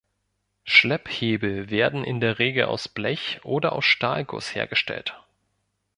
Schlepphebel werden in der Regel aus Blech oder aus Stahlguss hergestellt.